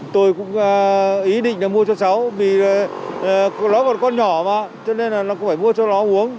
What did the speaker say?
tôi cũng ý định mua cho cháu vì nó còn con nhỏ mà cho nên là nó phải mua cho nó uống